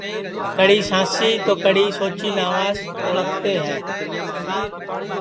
کڑی سانسی تو کڑی سوچی ناوس پیچاٹؔے جاتے ہے